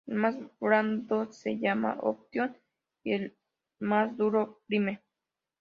El más blando se llama "option" y el más duro "prime".